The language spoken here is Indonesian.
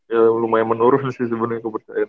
ya lumayan menurun sih sebenarnya kepercayaan